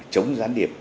chống gián điệp